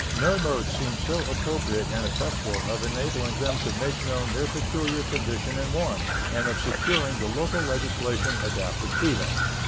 No mode seems so appropriate and effectual of enabling them to make known their peculiar condition and wants and of securing the local legislation adapted to them.